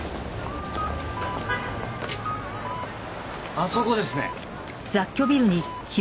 あそこですね。